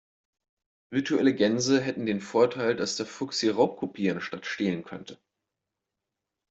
Virtuelle Gänse hätten den Vorteil, dass der Fuchs sie raubkopieren statt stehlen könnte.